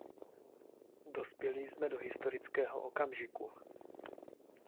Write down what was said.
Dospěli jsme do historického okamžiku.